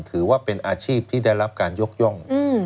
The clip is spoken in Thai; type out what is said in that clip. ถือว่าเป็นอาชีพที่ได้รับการยกย่อง